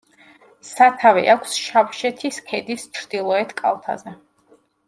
სათავე აქვს შავშეთის ქედის ჩრდილოეთ კალთაზე.